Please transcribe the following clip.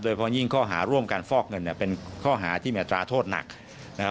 เพราะยิ่งข้อหาร่วมการฟอกเงินเนี่ยเป็นข้อหาที่มีอัตราโทษหนักนะครับ